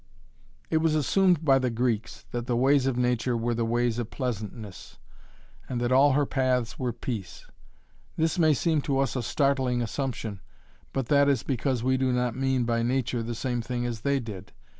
It was assumed by the Greeks that the ways of nature were 'the ways of pleasantness,' and that 'all her paths' were 'peace.' This may seem to us a startling assumption, but that is because we do not mean by 'nature' the same thing as they did.